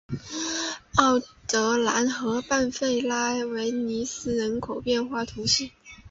奥泽兰河畔弗拉维尼人口变化图示